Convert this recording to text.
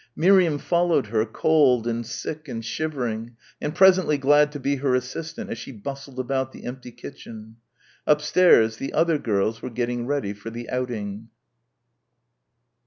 Miriam followed her, cold and sick and shivering, and presently glad to be her assistant as she bustled about the empty kitchen. Upstairs the other girls were getting ready for the outing.